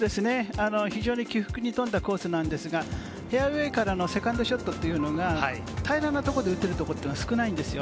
非常に起伏に富んだコースなんですが、フェアウエーからのセカンドショットというのが平らなところで打てるところが少ないんですよ。